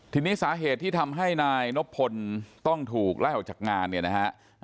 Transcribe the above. ทีนี้สาเหตุที่ทำให้นายนบพลต้องถูกไล่ออกจากงานเนี่ยนะฮะ